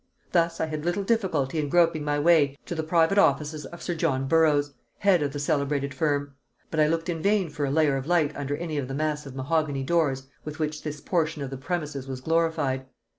Thus I had little difficulty in groping my way to the private offices of Sir John Burroughs, head of the celebrated firm; but I looked in vain for a layer of light under any of the massive mahogany doors with which this portion of the premises was glorified.